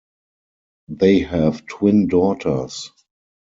They have twin daughters.